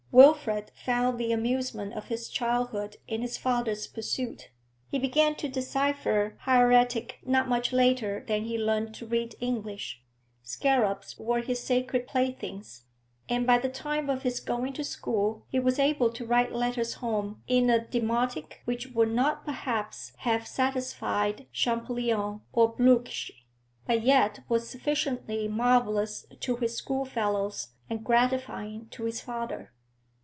Wilfrid found the amusement of his childhood in his father's pursuit; he began to decipher hieratic not much later than he learned to read English. Scarabs were his sacred playthings, and by the time of his going to school he was able to write letters home in a demotic which would not perhaps have satisfied Champollion or Brugsch, but yet was sufficiently marvellous to his schoolfellows and gratifying to his father.